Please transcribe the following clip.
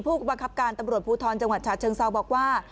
ผู้บังคับการตำรวจภูทรจังหวัดฉะเชิงเซาบอกว่า